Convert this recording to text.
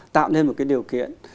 tạo nên một cái điều kiện